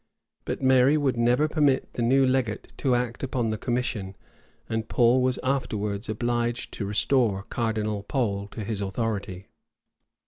But Mary would never permit the new legate to act upon the commission; and Paul was afterwards obliged to restore Cardinal Pole to his authority.